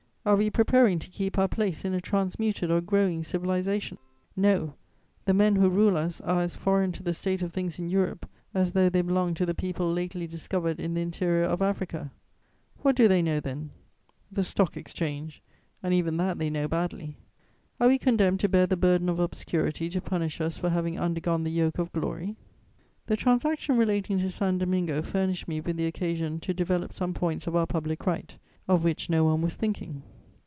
Are we preparing to keep our place in a transmuted or growing civilization? No: the men who rule us are as foreign to the state of things in Europe as though they belonged to the people lately discovered in the interior of Africa. What do they know then? The stock exchange: and even that they know badly. Are we condemned to bear the burden of obscurity to punish us for having undergone the yoke of glory?" The transaction relating to San Domingo furnished me with the occasion to develop some points of our public right, of which no one was thinking.